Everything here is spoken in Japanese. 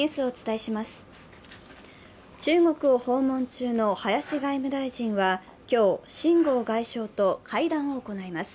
中国を訪問中の林外務大臣は今日秦剛外相と会談を行います。